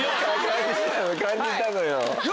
感じたのよ。